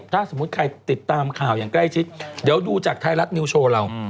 ถ้าสมมุติใครติดตามข่าวอย่างใกล้ชิดเดี๋ยวดูจากไทยรัฐนิวโชว์เรา